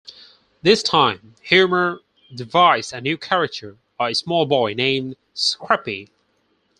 This time, Huemer devised a new character, a small boy named Scrappy.